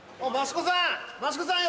益子さん！